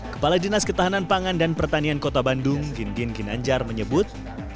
kepala dinas ketahanan pangan dan pertanian kota bandung gintin ginanjar menyebut